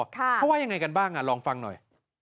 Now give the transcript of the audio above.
เขาว่ายังไงกันบ้างลองฟังหน่อย